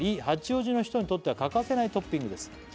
「八王子の人にとっては欠かせないトッピングです」